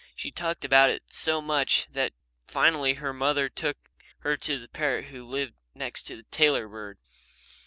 She talked about it so much that finally her mother took her to the parrot who lived next to the tailor bird.